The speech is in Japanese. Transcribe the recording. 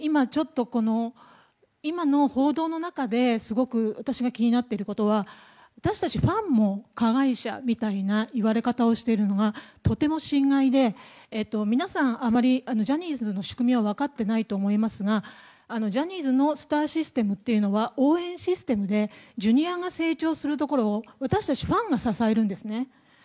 今の報道の中ですごく私が気になっていることは私たちファンも加害者みたいな言われ方をしているのがとても心外で、皆さんあまりジャニーズの仕組みを分かっていないと思いますがジャニーズのスターシステムっていうのは、応援システムでＪｒ．が成長するところを私たちファンが支えるんですね。